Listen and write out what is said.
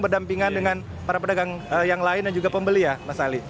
berdampingan dengan para pedagang yang lain dan juga pembeli ya mas ali